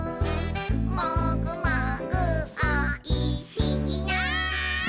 「もぐもぐおいしいな」